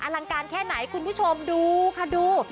ลังการแค่ไหนคุณผู้ชมดูค่ะดู